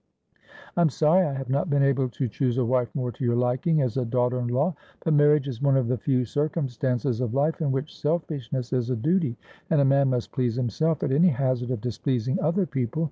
I'm sorry I have not been able to choose a wife more to your liking as a daughter in law ; but marriage is one of the few circumstances of life in which selfish ness is a duty, and a man must please himself at any hazard of displeasing other people.